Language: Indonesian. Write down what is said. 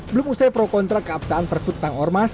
belum usai pro kontra keabsahan perkut tentang ormas